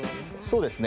そうですね